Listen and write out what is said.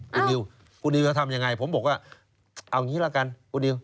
คุณนิวคุณนิวจะทำอย่างไรผมบอกว่าเอาอย่างนี้แล้วกันคุณนิว